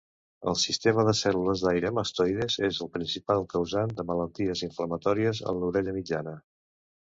El sistema de cèl·lules d'aire mastoides és un principal causant de malalties inflamatòries de l'orella mitjana.